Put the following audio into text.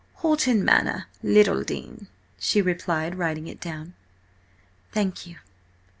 "Horton Manor, Littledean," she replied, writing it down. "Thank you.